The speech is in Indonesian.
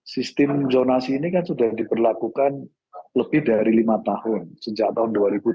sistem zonasi ini kan sudah diberlakukan lebih dari lima tahun sejak tahun dua ribu tujuh belas